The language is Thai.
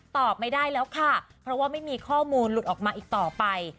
ตอบไม่ได้แล้วค่ะเพราะว่าไม่มีข้อมูลหลุดออกมาอีกต่อไป